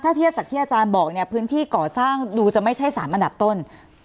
ถ้าเทียบจากที่อาจารย์บอกเนี่ยพื้นที่ก่อสร้างดูจะไม่ใช่๓อันดับต้น